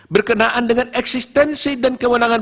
berkenaan dengan eksistensi dan kewenangan